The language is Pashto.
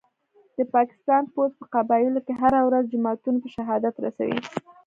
د پاکستان پوځ په قبایلو کي هره ورځ جوماتونه په شهادت رسوي